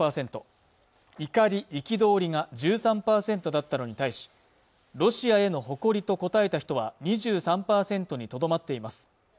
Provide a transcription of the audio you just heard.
怒り憤りが１３％だったのに対しロシアへの誇りと答えた人は２３％にとどまっています